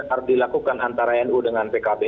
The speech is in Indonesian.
harus dilakukan antara nu dengan pkb